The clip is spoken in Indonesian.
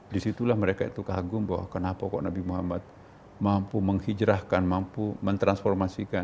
disitulah mereka itu kagum bahwa kenapa kok nabi muhammad mampu menghijrahkan mampu mentransformasikan